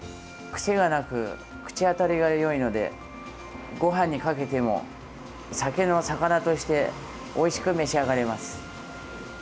癖がなく、口当たりがよいのでごはんにかけても酒のさかなとしておいしく召し上がれます。